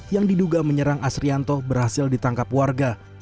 yang diduga menyerang asrianto berhasil ditangkap warga